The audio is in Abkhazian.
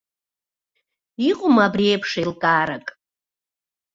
Иҟоума абри аиԥш еилкаарак?